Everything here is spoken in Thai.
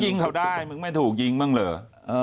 ยิงเขาได้มึงไม่ถูกยิงบ้างเหรอ